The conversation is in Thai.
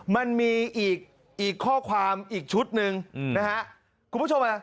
มันมีอีกข้อความอีกชุดหนึ่งคุณผู้ชมนะ